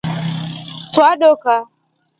Tua doka.